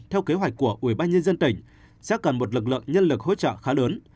theo kế hoạch của ubnd tỉnh sẽ cần một lực lượng nhân lực hỗ trợ khá lớn